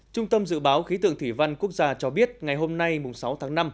trung tâm dự báo khí tượng thủy văn quốc gia cho biết ngày hôm nay sáu tháng năm